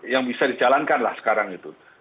yang bisa dijalankan lah sekarang itu